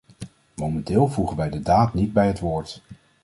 Momenteel voegen wij de daad niet bij het woord.